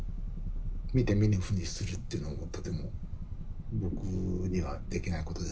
見て見ぬふりするっていうのもとても僕にはできないことですから。